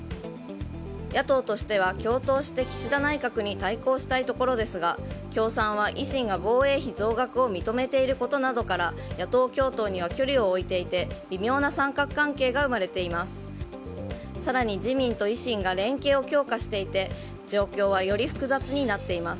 野党としては共闘して岸田内閣に対抗したいところですが共産は維新が防衛費増額を認めていることなどから野党共闘には距離を置いていて微妙な三角関係が生まれています。